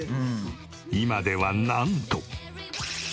今ではなんと。